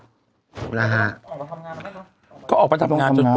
ทำงานเพิ่มไงเนอะก็ออกไปทำงานจนจะต้อง